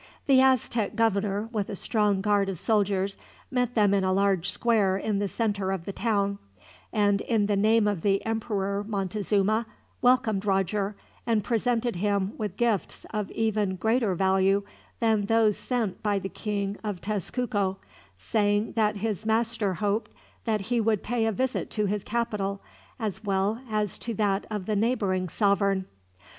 The Aztec governor, with a strong guard of soldiers, met them in a large square in the center of the town; and in the name of the Emperor Montezuma welcomed Roger, and presented him with gifts of even greater value than those sent by the King of Tezcuco, saying that his master hoped that he would pay a visit to his capital, as well as to that of the neighboring sovereign.